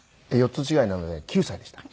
４つ違いなので９歳でした。